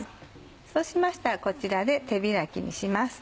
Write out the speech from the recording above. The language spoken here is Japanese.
そうしましたらこちらで手開きにします。